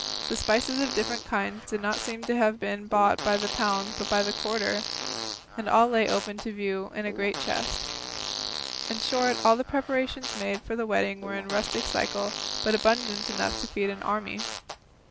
The spices of different kinds did not seem to have been bought by the pound but by the quarter, and all lay open to view in a great chest. In short, all the preparations made for the wedding were in rustic style, but abundant enough to feed an army.